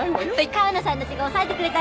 河野さんたちが押さえてくれたんです。